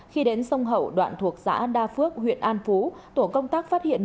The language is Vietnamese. khi đến sông hậu đoạn thuộc xã đa phước huyện an phú tổ công tác phát hiện